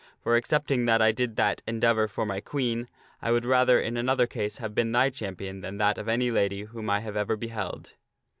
For, excepting that I did that endeavor for my Queen, I would rather, in another case, have been thy champion than that of any lady whom I have ever beheld."